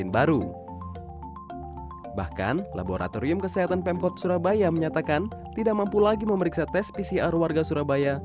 bahkan laboratorium kesehatan pemkot surabaya menyatakan tidak mampu lagi memeriksa tes pcr warga surabaya